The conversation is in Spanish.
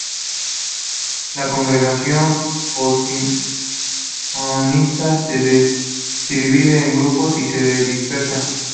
La Congregación Pasionista se divide en grupos y se dispersa.